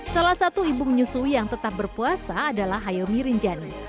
salah satu ibu menyusui yang tetap berpuasa adalah hayomi rinjani